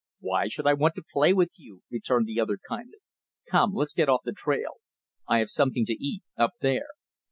"Why should I want to play with you?" returned the other, kindly. "Come, let's get off the trail. I have something to eat, up there."